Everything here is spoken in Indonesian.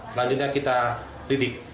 selanjutnya kita didik